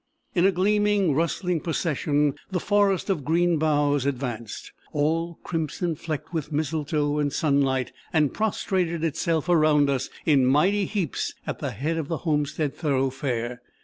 In a gleaming, rustling procession the forest of green boughs advanced, all crimson flecked with mistletoe and sunlight, and prostrated itself around us in mighty heaps at the head of the homestead thoroughfare.